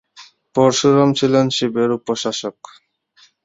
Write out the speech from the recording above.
পরশুরাম ছিলেন শিবের উপাসক।